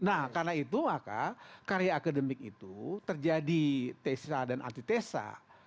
nah karena itu maka karya akademik itu terjadi tesa dan antitesa